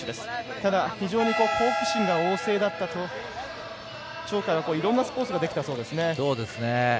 ただ、非常に好奇心が旺盛だったと鳥海はいろんなスポーツができたそうですね。